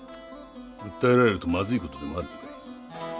訴えられるとまずい事でもあるのかい？